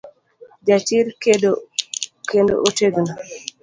Jachir, kendo otegno.